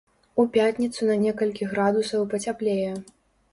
У пятніцу на некалькі градусаў пацяплее.